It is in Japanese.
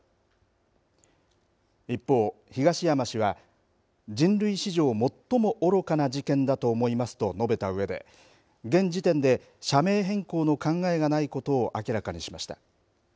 一方、東山氏は人類史上最も愚かな事件だと思いますと述べたうえで現時点で社名変更の考えがないことを明らかにしました。